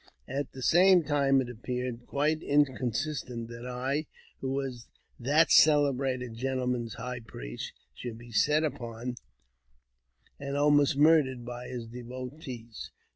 At the same time, it appeared quite inconsistent that I, who was that celebrated gentleman's high priest, should be set upon and almost murdered by his devotees.